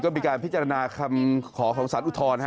ก็เป็นการพิจารณาคำขอความสันอุทธรณ